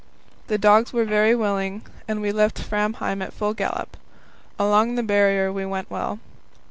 The dogs were very willing, and we left Framheim at full gallop. Along the Barrier we went well.